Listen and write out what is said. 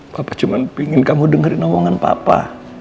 papa cuma pengen kamu dengerin omongan papa